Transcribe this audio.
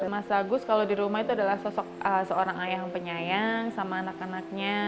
mas agus kalau di rumah itu adalah seorang ayah yang penyayang sama anak anaknya